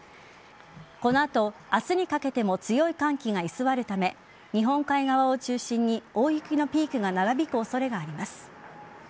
この後、明日にかけても強い寒気が居座るため日本海側を中心に大雪のピークが長引く恐れがあります。